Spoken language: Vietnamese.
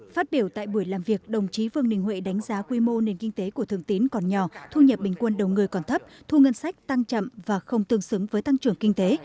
phát biểu tại buổi làm việc đồng chí vương đình huệ đánh giá quy mô nền kinh tế của thường tín còn nhỏ thu nhập bình quân đầu người còn thấp thu ngân sách tăng chậm và không tương xứng với tăng trưởng kinh tế